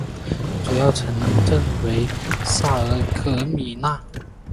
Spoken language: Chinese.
主要城镇为萨尔格米讷。